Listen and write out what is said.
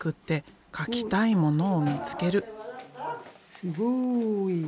すごい。